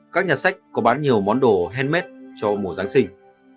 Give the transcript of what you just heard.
các nhà sách có bán nhiều món đồ handmade cho mùa giáng sinh